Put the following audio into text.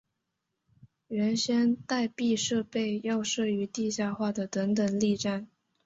原先待避设备要设于地下化的等等力站。